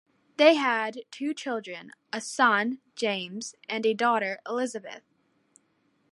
They had two children; a son, James, and a daughter, Elizabeth.